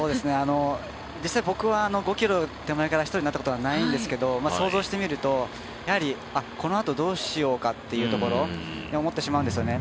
実際に僕は５ｋｍ手前から１人になったことはないんですけど想像してみると、このあとどうしようかっていうのを思ってしまうんですよね。